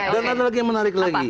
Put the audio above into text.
dan ada lagi yang menarik lagi